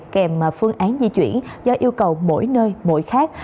kèm phương án di chuyển do yêu cầu mỗi nơi mỗi khác